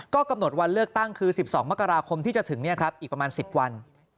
ก็กำหนดวันเลือกตั้งคือ๑๒มกราคมที่จะถึงอีกประมาณ๑๐วัน